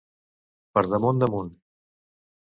Per damunt damunt.